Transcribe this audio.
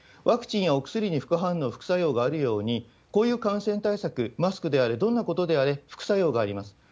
ワクチンやお薬に副反応、副作用があるように、こういう感染対策、マスクであれどんなことであれ副作用があります。